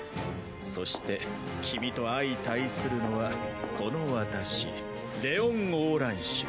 そして君と相対するのはこの私レオン・オーランシュ。